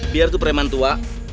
biar itu preman tua